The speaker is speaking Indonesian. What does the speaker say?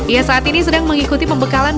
ia saat ini sedang mengikuti pembekalan